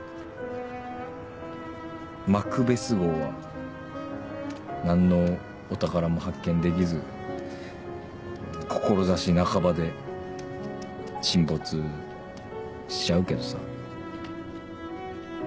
マクベス号は何のお宝も発見できず志半ばで沈没しちゃうけどさ。